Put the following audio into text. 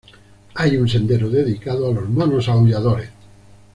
Hay un sendero dedicado a los monos aulladores.